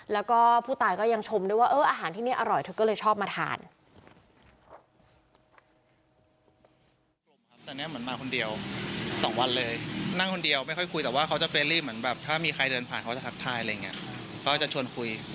แล้วก็ผู้ตายก็ยังชมด้วยว่าอาหารที่นี่อร่อยเธอก็เลยชอบมาทาน